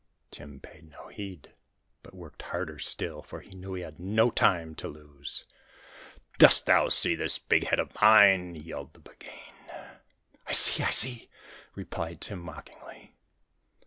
Tim paid no heed, but worked harder still, for he knew he had no time to lose. 'Dost thou see this big head of mine?' yelled the Buggane. 'I see, I see!' replied Tim, mockingly.